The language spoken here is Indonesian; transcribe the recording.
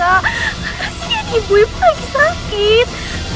kasihkan ibu ibu lagi sakit